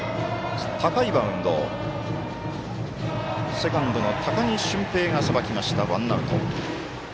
セカンドの高木馴平がさばきました、ワンアウト。